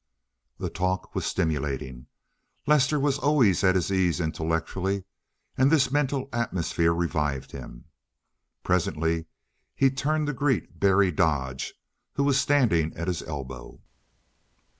The talk was stimulating. Lester was always at his ease intellectually, and this mental atmosphere revived him. Presently he turned to greet Berry Dodge, who was standing at his elbow.